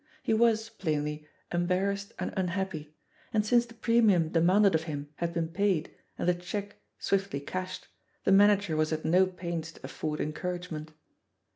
He was, plainly, embarrassed and mi happy, and since the premimn demanded of him had been paid and the cheque swiftly cashed, the manager was at no pains to afford encourage ment.